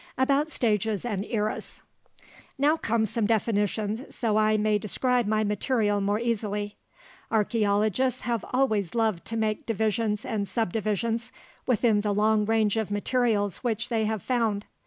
ABOUT STAGES AND ERAS Now come some definitions, so I may describe my material more easily. Archeologists have always loved to make divisions and subdivisions within the long range of materials which they have found.